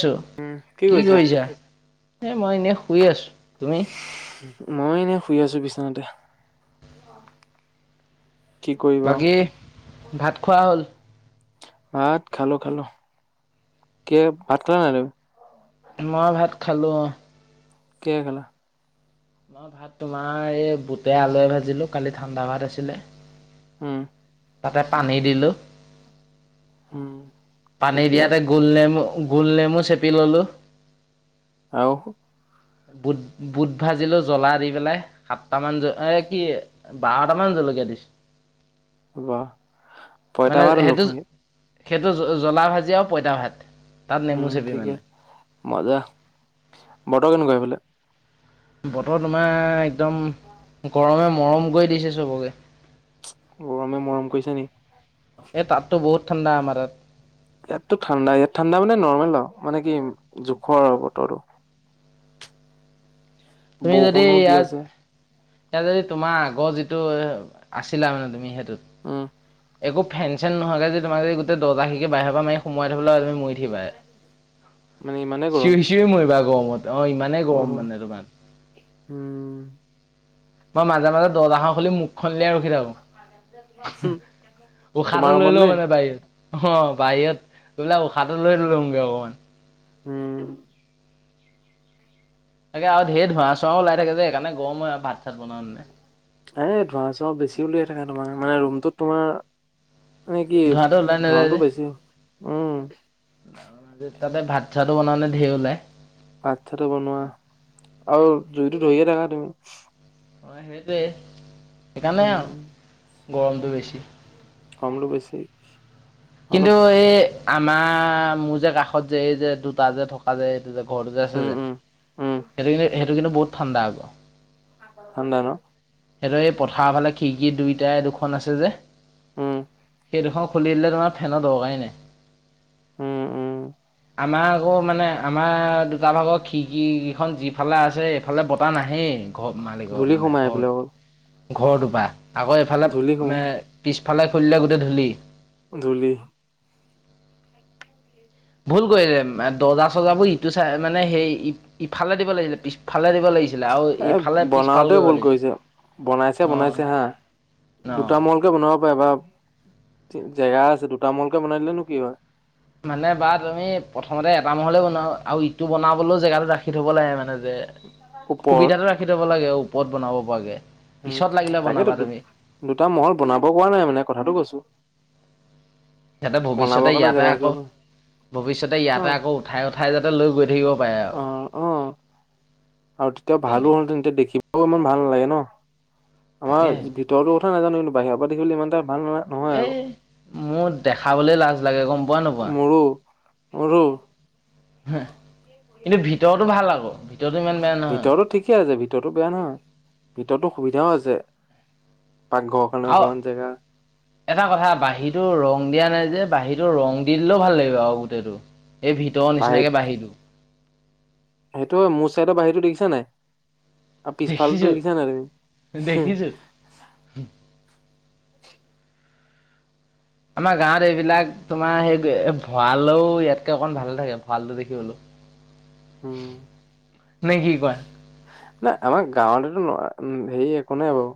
ছো, কি কৰিছা? এ, মই এনেই শুই আছ মই এনেই শুই আছোঁ বিচনাতে। কি কৰিবা আৰু। বাকী, ভাত খোৱা হ'ল? ভাত খালোঁ, খালোঁ। কি ভাত খালানে নাই তুমি? মই ভাত খালোঁ অ'। কিহে খালা? মই ভাত তোমাৰ এই বুটে আলুৱে ভাজিলো কালি ঠাণ্ডা ভাত আছিলে। হ'ম তাতে পানী দিলোঁ। উম, পানী ঠিকে দিয়াতে আছে গোলনেমু গোলনেমু চেপি ললো। আৰু বুট-বুট ভাজিলো জ্বলা দি পেলাই, সাতটা মান এ কি বাৰটা মান জলকীয়া দিছোঁ। বা পইতা ভাত সেইটো [unintelligible] সেইটো জলা ভাজি আৰু পঁইতা ভাত তাত উম, নেমু চেপি ঠিকে মানে। মজা, বতৰ কেনেকুৱা এইফালে? বতৰ তোমাৰ একদম গৰমে মৰম কৰি দিছে চবকে। গৰমে মৰম কৰিছে নেকি? এ তাত তো বহুত ঠাণ্ডা, আমাৰ তাত। ইয়াতো ঠাণ্ডা, ইয়াত ঠাণ্ডা মানে নৰ্মেল আৰু মানে কি জোখৰ আৰু বতৰটো। বৰষুণো দি আছে। এতিয়া যদি তোমাৰ আগৰ যিটো আছিলা মানে তুমি সেইটো উম' একো ফেন চেন নহোৱাকৈ যে তোমাক যদি দৰ্জা খিৰিকি বাহিৰৰ পৰা মাৰি সোমাই থব আৰু তুমি মৰি উঠিবা মানে ইমানেই গৰম। চিঞৰি চিঞৰি মৰিবা। গৰমত অ' ইমানেই অহ, গৰম মানে তোমাৰ উম, মই মাজে-মাজে দৰ্জাখন খুলি মুখখন উলিয়াই ৰখি থাকো। হুম, তোমাৰ উশাহটো লৈ ৰুমত লও নে? মানে বাহিৰত। অ'হ বাহিৰত বোলে উশাহটো লৈ লমগৈ অকমান। উম। তাকে আৰু ঢেৰ ধোঁৱা চোৱাও ওলাই থাকে যে সেইকাৰণে গৰম হয় আৰু ভাত-চাত বনাও নে এ ধোঁৱা চোৱা বেছি উলিয়াই থাকা তোমাৰ মানে ৰুমটোত তোমাৰ মানে কি ধোঁৱাটো ওলাই নাযায় যে। ধুৱাটো বেছি। উম' তাতে ভাত চাতটো বনাওঁতে ঢেৰ ওলায়। ভাত চাতটো বনোৱা আৰু জুইটো ধৰিয়ে থাকা তুমি। অ সেইটোৱেই সেইকাৰণেই উম আৰু গৰমটো বেছি। কামলৈয় গৈছে কিন্তু এই আমাৰ মোৰ যে কাষত যে এই যে দুটা যে থকা যে যে ঘৰটো যে আছে উম যে উম উম সেইটো কিন্ত সেইটো কিন্তু বহুত ঠাণ্ডা আকৌ। ঠাণ্ডা ন সিহঁতৰ এই পথাৰ ফালে খিৰিকি দুইটাই দুখন আছে যে উম। সেই দুখন খুলি দিলে ধৰা ফেনৰ দৰকাৰেই নাই। উম, উম। আমাৰ আকৌ মানে আমাৰ দুটা ভাগৰ খিৰিকিকেইখন যিফালে আছে এইফালে বতাহ নাহেই ঘৰ মালিক ধূলি মানে সোমাই ঘৰ এইফালে অকল ঘৰটোৰ পৰা আকৌ এফালে ধূলি সোমাই পিছফালে খুলিলে গোটেই ধূলি ধূলি ভুল কৰিলে দৰ্জা চৰ্যাবোৰ ইটো চাই মানে সেই ইফালে দিব লাগিছিলে পিছফালে দিব লাগিছিলে আৰু এইফালে এ পিছফাল বনাওতে কৰিব ভুল লাগিছিলে কৰিছে বনাইছে অঁ বনাইছে হা অঁ দুটা মূৰলৈকে বনাব পাৰে বা জেগা আছে। যে দুটা মূৰলৈকে বনাই দিলে নো কি হয়? মানে বা তুমি প্ৰথমতে এটা মহলে বনাও আৰু ইটো বনাবলৈও জেগাটো ৰাখি থব লাগে মানে। যে ওপৰত সুবিধাটো ৰাখি থ'ব লাগে ওপৰত বনাব পৰাকে। উম, পিছত লাগিলে তাকেইতো বনাবা দু তুমি দুটা মহল বনাব কোৱা নাই মানে কথাটো কৈছোঁ। যাতে ভৱিষ্যতে কাৰণে ইয়াতে জেগা ৰাখিব আকৌ পৰা ভৱিষ্যতে ইয়াতে আকৌ উঠাই উঠাই যাতে লৈ গৈ থাকিব পাৰে আৰু অ'-অ' আৰু তেতিয়া ভালো তেনেকে হল তেন্তে দেখিবও ইমান ভাল নালাগে ন আমাৰ তাকে ভিতৰতো কথা নাজানো কিন্তু বাহিৰৰ পৰা দেখিবলে ইমান এটা ভাল ন নহয় এ, আৰু মোৰ দেখাবলৈ লাজ লাগে গম পোৱা নোপোৱা। মোৰো [unintelligible] [unintelligible] কিন্তু ভিতৰতো ভাল আকৌ ভিতৰতো ইমান বেয়া নহয় ভিতৰতো ঠিকে আছে ভিতৰতো বেয়া নহয় ভিতৰতো সুবিধাও আছে। পাকঘৰৰ কাৰণে আৰু অকমান জেগা। এটা কথা বাঁহীটো ৰং দিয়া নাই যে, বাঁহীটো ৰং দি দিলেও ভাল লাগিব আৰু গোটেইটো। এই ভিতৰৰ বাহিৰত নিচিনাকে বাঢ়িলো। সেইটো মোৰ চাইডৰ বাহিৰটো দেখিছা নাই? আৰু পিছফালটো দেখিছো দেখিছা নাই তুমি? দেখিছো আমাৰ গাঁৱত এইবিলাক তোমাৰ সেইতোয়ে ভঁৰালও ইয়াতকে অকন ভালে থাকে ভঁৰালটো দেখিবলো। উম নে কি কয়? নাই আমাৰ গাঁৱতেতো হেৰি একো নাই বাৰু।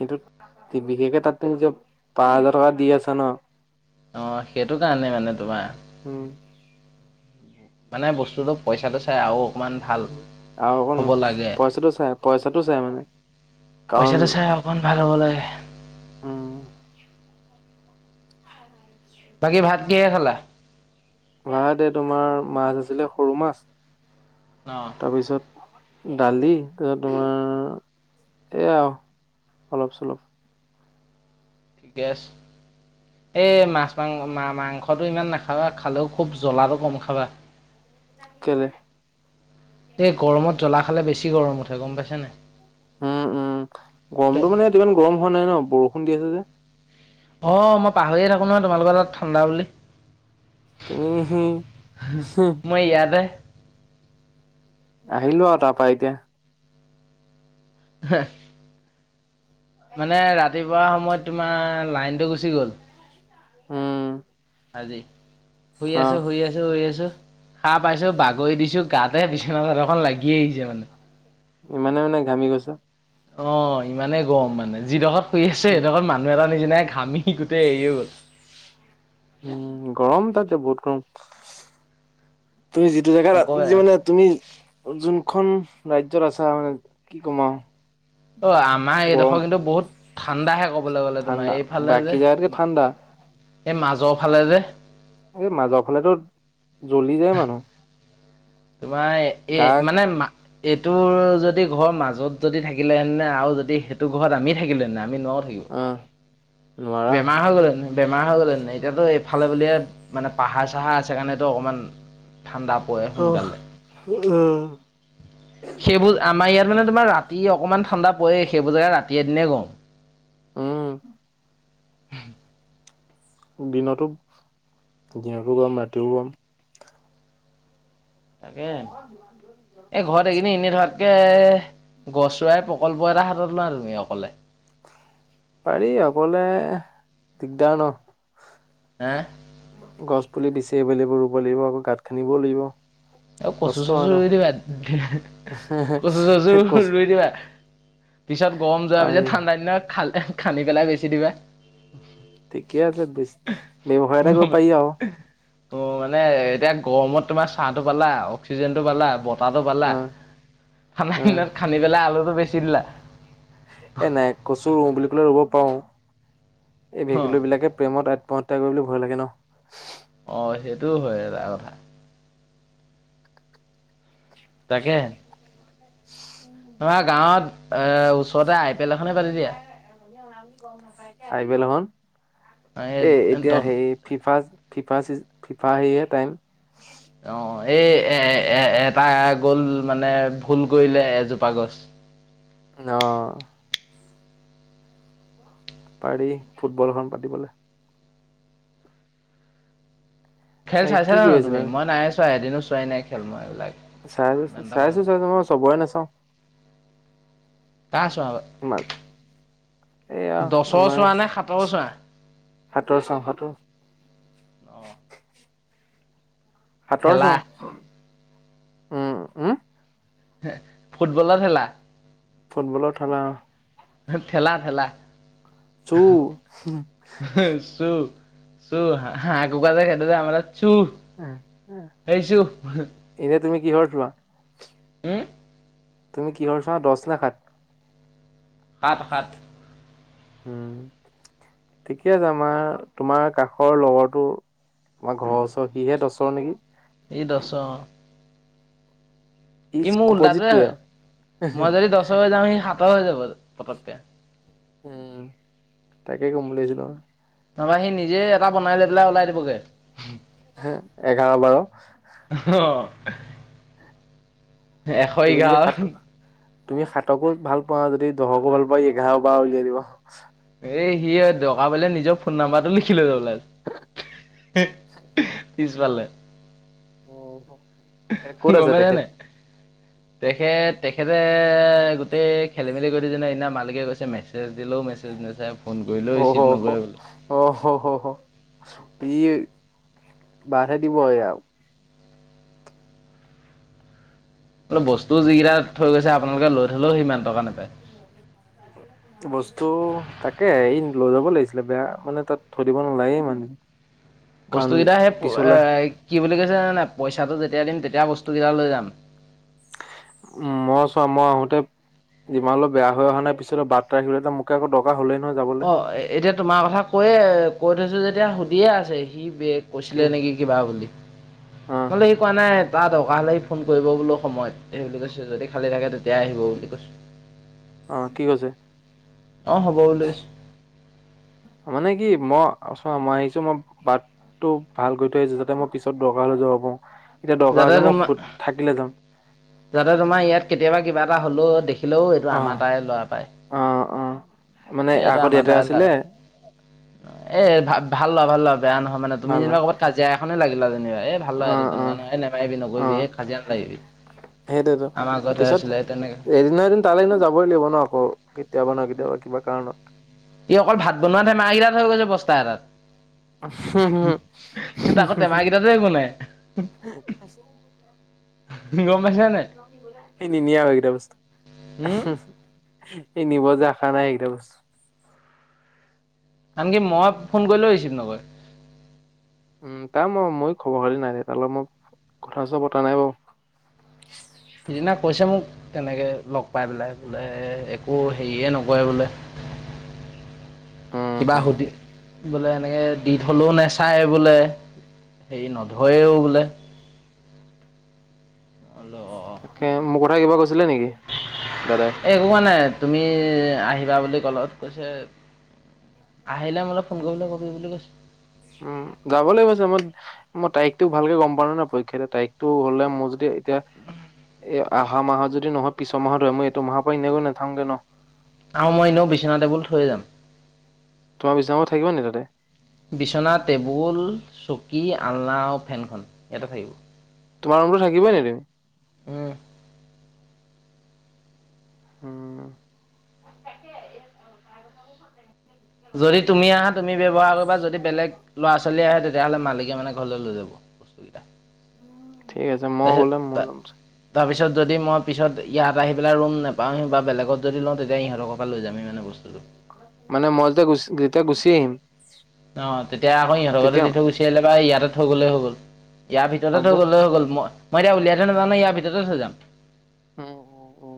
কিন্তু বিশেষকে তাতো নিজৰ পাচ হাজাৰ টকা দি আছা ন। অ', সেইটো কাৰণে মানে তোমাৰ। উম। মানে বস্তুটো পইচাটো চাই আৰু অকনমান ভাল। আৰু অকন হ'ব লাগে পইচাটো চাই পইচাটো চাই মানে কাৰণ পইচাটো চাই [unintelligible] উম। বাকী ভাত কিহে খালা? ভা দে তোমাৰ মাছ আছিলে সৰু মাছ অ তাৰপিছত দালি তাৰপিছত তোমাৰ এইয়া আৰু অলপ চলপ। ঠিকেই আছে। এ, মাছ মাংস মাংসটো ইমান নাখাবা খালেও খুব জ্বলাটো কম খাবা। [inaudible] কেলেই? এই গৰমত জ্বলা খালে বেছি গৰম উঠে গম পাইছে নে? উম উম গৰমটো মানে ইমান গৰম হোৱা নাই ন বৰষুণ দি আছে যে। অ' মই পাহৰিয়ে থাকো নহয় তোমালোকৰ তাত ঠাণ্ডা বুলি। তুমি মই য়াদে। আহিলো আৰু তাৰ পৰাা এতিয়া। [unintelligible] মানে ৰাতিপুৱা সময়ত তোমাৰ লাইনটো গুচি গ'ল। উম, আজি শুই অ আছো, শুই আছো, শুই আছো শাৰ পাইছো বাগৰি দিছো গাত এ বিছনা চাদৰখন লাগিয়ে আহিছে মানে। ইমানে মানে ঘামি গইচো অ' ইমানে গৰম মানে যি ডখৰত শোই আছে উম সেইডখৰত মানুহ এটা নিচিননা ঘামি সি গোটেই এৰিয়ে গ'ল। উম, গৰম তাতে বহুত গৰম। তুমি যিটো জেগাত নকবা যি মানে তুমি যোনখন। ৰাজ্যৰ আছা মানে কি কম আৰু। অ' আমাৰ গৰম এইডখৰ কিন্তু বহুত ঠাণ্ডাহে কব কব গলে ঠাণ্ডা তোমাৰ এইফালে যে, বাকী জেগাতকে ঠাণ্ডা এই মাজৰ ফালে যে। এই মাজৰ ফালেতো জ্বলি যায় মানুহ। তোমাৰ এ গা মানে ম এইটো যদি ঘৰৰ মাজত যদি থাকিলে হে আৰু যদি সেইটো ঘৰত আমি থাকিলেহে আমি ন। আহ। নোৱাৰা। বেমাৰ হৈ গ'লে হেতেন, বেমাৰ হৈ গ'লে হেতেন এতিয়াতো ফালে ফুলিয়ে মানে পাহাৰ চাহা আছে কাৰণেতো অকণমান। ঠাণ্ডা পৰে অহ সোনকালে। উম। সেইবোৰ আমাৰ ইয়াত মানে তোমাৰ ৰাতি অকণমান ঠাণ্ডা পৰেই সেইবোৰজাগে ৰাতিয়ে এ দিনে গওঁ। উম, [inaudible] দিনতো দিনতো গম ৰাতিও গম। তাকে এই ঘৰত এইকেদিন এনেই থাকে। তে, গছ ৰুৱায় প্ৰকল্প এটা হাতত লোৱা তুমি অকলে। পাৰি অকলে দিগদাৰ ন। হা গছ পুলি দিচে এভেললেবোৰ ৰুব লাগিব আকৌ গাঁত খান্দিবলৈ লাগিব। অ কচু কষ্ট হয় চচু ন ৰুই দিবা। কচু চচু কষ্ট ৰুই দিবা। পিছত গৰম যোৱাৰ পাৰি পিছত ঠাণ্ডা দিনা খাল খান্দি পেলাই বেছি দিবা। ঠিকে আছে ব্যৱসায় এটা কৰিব পাৰি আৰু। অ মানে এতিয়া গৰমত তোমাৰ চাহ টো পালা, অক্সিজেন টো পালা। পতটো পালা। অ খান অ দিনত খান্দি পেলাই আলুটো বেছি দিলা। এ নাই কচু ৰুওঁ বুলি ক'লে ৰুব পাৰো। এই অ ভেকুলী বিলাকে প্ৰেমত আত্মহত্যা কৰিবলৈ ভয় লাগে ন? সেইটো হয় এটা কথা। তাকে ধৰা গাঁৱত এ ওচৰত চাইবেল এখন। এই এ এতিয়া সেই ফিফা ফিফা চি ফিফা সেহে টাইম। অ এই এ এ এটা গ'ল মানে ভুল কৰিলে এজোপা গছ। [unintelligible] অ', পাৰি ফুটবলখন পাতিবলৈ। খেল এই চাইছা কি নে কৰি নাই আছিলা তুমি, মই নাই চোৱা এদিনো চোৱাই নাই খেল মই এইবিলাক। চাইছো ইমান এটা ভাল চাইছো চাইছো মই চবৰে নাচাওঁ। কাৰ চোৱা আগত। এয়া দছৰ আমাৰ চোৱা নে সাতৰ চোৱা। সাতৰ চাওঁ সাতৰ। অ', সাতৰ চ ঠেলা উম, উম, ফুটবলৰ খেলা। ফুটবলৰ থেলা। ঠেলা ঠেলা চু চুৰ। শু [unintelligible] সেইটো যে আমাৰ তাত। চুৰ পাইছো। কিহ দোৱা। হ তুমি কিহ চা দছ ৰছখাত। সাত সাত। উম ঠিকে আছে। আমাৰ তোমাৰ কাষৰ লগৰটো। আমাৰ ঘৰৰ ওচৰৰ সিহে দষৰ নেকি। এই দচ। ই মোৰ উল্টাাতোৱে হয় আৰু মই যদি দহ যাও সি সাত পত হৈ যাব পতককে। উম, তাকে কম বুলি ভাবি ছিলো। নহবা সি নিজে এটা বনাই লৈ ওলাই দিবগে। হ এঘাৰ বাৰ অ', এশ ই তুমি যদি গাঁও সাত তুমি সাতকো ভাল পোৱা যদি দহকো ভাল পা এঘাৰ পৰাাৰ উলিয়াই দিব। এই সি দৰকাৰ পৰিলে নিজৰ ফোন নাম্বাৰটো লিখি লৈছ ওলাই। [unintelligible] পিছফালে। এ ক'ত আছে গমে জানে তেখেত তেখেত তেখেতে গোটেই খেলি মেলি কৰি দিছে নহয় সদিনা মালিকে কৈছে মেছেজ দে মে না ফ কৰিলে অ হ ৰিচিভ নকৰে বো এই বছ দি পয় আৰু বোলো বস্তু যিগিটা থৈ গৈছে আপোনালোকে লৈ থলেও সিমান টকা নাপায় বস্তু তাকে এই লৈ যাব লাগিছিলে বেয়া মানে তাত থৈ দিব নালাগে মানে কাৰণ বস্তু কেইটা সে এ পিছলে কি বুলি কৈছে জানা নায় পইচাটো যেতিয়া দিম তেতিয়া বস্তু কেইটা লৈ যাম। উম মই চোৱা মই আহোতে ইমান অলপ বেয়া হৈ অহা নাইিছত বাত ৰাখিলে মোক আকৌ দৰকাৰ হলে। অ' এতিয়া তোমাৰ কথা কৈয়ে কৈথয়ছে যেতিয়া এতিয়া সুধিয়ে আছে সি বেগ কি কৈছিলে নেকি কিবা বুলি অ নহ'লে সি কোৱা নাই তাত দটকা হ'লে ফোন কৰিব বোলো সময়ত সেই বুলি কৈছে যদি খালী থাকে তেতিয়াই আহিব বুলি কৈছোঁ। অহ, কি কৈছে? অ' হ'ব ওলাইছো। মানে কি মই চ মই আহিছোঁ মই বাটটো ভাল কৰি থৈ আহিছোঁ যাতে মই পিছত দৰকাৰ হয় জাব। যাতে তোমাৰ যাম যাতে তোমাৰ ইয়াত কেতিয়াবা কিবা এটা হলেও দেখ দেখিলেও এইটো অ আমাৰ তাৰে লৰা পায়। অ', অ', মানে এইটো আগত আমাৰ ইয়াতে তাৰে লৰা আছিলে এ' ভাল লৰা ভাল লৰা বেয়া নহয় মানে তুমি ভাল ন যেনিবা কৰবাত কাজিয়ে এখনে লাগিলা যেনিবা এই ভাল নহয় অ', তেনেুৱা অ', নয় নমাৰিবি নকৰিবি এই কাজিয়া নলাগিবি [unintelligible] সেইটোয়েতো পিছত এদিন নহয় এদিন তালৈ এনেও যাবই লাগিব ন আকৌ কেতিয়াবা ন কেতিয়াবা কিবা কাৰণত ই, অকল ভাত বনোৱাতহে [unintelligible] হৈ গৈছে বস্তা এটাত। [unintelligible] [unintelligible] তাকো টেমাকেইটাতো একো নাই গম পাইছা নাই? সেই নিনি আও সেই গিতা বস্তু। উম, সি নিব যে আশা নাই এইকেইটা বস্তু। আনকি মই ফোন কৰিলেও ৰিচিভ নকৰে। উম, তাৰ মই-মই খবৰ খাতি নাই দে তাৰ লগত মই কথা-চথা পতা নাই বাৰু। [inaudible] সিদিনা কৈছে মোক তেনেকৈ লগ পাই পেলাই বোলে একো হেৰিয়ে নকৰে বোলে। কিবা উম সুধি বোলে এনেকে দি থলেও নাচায় বোলে হেৰি নধয়ও বোলে। তাকে মোৰ কথা কিবা কছে এ - একো কোৱা নাই তুমি আহিবা বুলি কলত কৈছে আহিলে মোলৈ ফোন কৰিবলৈ কবি বুলি কৈছো। উম, যাব লগিব চাগে মই তাৰিখটোক ভালকে গম পোৱা নাই ন পৰীক্ষা দিয়া তাৰিখটো হলে মোৰ যদি এতিয়া এ অহা মাহত যদি নহয় পিছৰ মাহতৰে মই এইটো মাহৰ পৰা এনেকৈ নাথাওগে ন। আৰু মই এনেও বিচনা টেবুল থৈয়ে যাম। তোমাৰ বিছনাখনত থাকিব না নাই তাতে। বিচনা টেবুল চকী আলনা আৰু ফেনখন ইয়াতে থাকিব। তোমাৰ [unintelligible] মোৰতো থাকিবই নেদিম উম। উম [unintelligible] যদি তুমি আহা তুমি ব্যৱহাৰ কৰিবা। যদি বেলেগ ল'ৰা ছোৱালী আহে তে তেতিয়া হ'লে মালিকে মানে ঘৰলৈ লৈ যাব বস্তু কেইটা। ঠিক আছে মই গ'লে মই ল'ম তাৰপিছত যদি মই পিছত ইয়াত আহি পেলাই ৰুম নাপাওঁহি বা বেলেগত যদি লওঁ তেতিয়া ইহঁতৰকে পৰা লৈ যামিহি মানে বস্তুটো। মানে মই যেতিয়া যেতিয়া গুচি আহিম। অ তেতিয়া আকৌ ইহঁতৰ ঘৰতে তেতিয়া দি থৈ গুচি আহিলে বা ইয়াতে থৈ গ'লে হ'ল। ইয়াৰ ভিতৰতে হ'ব থৈ গ'লে হৈ গ'ল মই মই এতিয়া উলিয়াই থয় নাজানাই ইয়াৰ ভিতৰতে থৈ যাম। উ, উ, উ,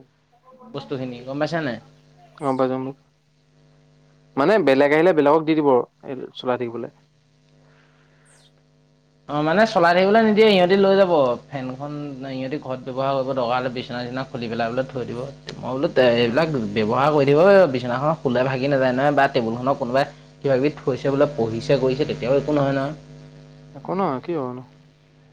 বস্তুখিনি গম পাইছা নাই? [unintelligible] অ, বাজাম। মানে বেলেগ। এ [unintelligible] আহিলে বেলেগক দি দিব চলাই থাকিবলৈ অ মানে চলাই থাকিবলৈ নিদি ইহঁতে লৈ যাব। ফেনখন ইহঁতে ঘৰত ব্যৱহাৰ কৰিব দৰকাৰ হ'লে বিচনা [unintelligible] বিলাক খুলি পেলাই বোলে থৈ দিব। মই বোলো উম এইবিলাক ব্যৱহাৰ কৰি দিব। বিছনাখন খুলাই ভা। নাযায় নয় টেবুল খনৰ কোনোবাই কিবা কিবি থৈছে বোলে পঢ়িছে। তেওঁৰ একো নহয় একো নহয়। নহয় কি অ নো।